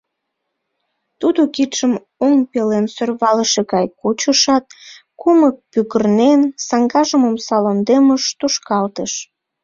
Тудо кидшым оҥ пелен сӧрвалыше гай кучышат, кумык пӱгырнен, саҥгажым омса лондемыш тушкалтыш.